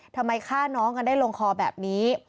ทำไมฆ่าน้องกันได้ลงคอแบบนี้